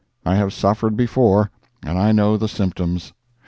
I have suffered before, and I know the symptoms.